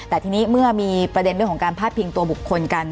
แต่ทีนี้เมื่อมีประเด็นเรื่องของการพาดพิงตัวบุคคลกัน